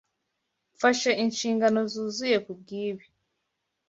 Mfashe inshingano zuzuye kubwibi.